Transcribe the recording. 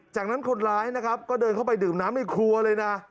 จากนั้นคนร้ายนะครับก็เดินเข้าไปดื่มน้ำในครัวเลยนะ